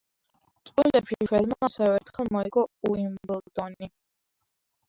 წყვილებში შვედმა ასევე ერთხელ მოიგო უიმბლდონი.